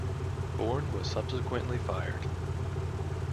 Bourne was subsequently fired.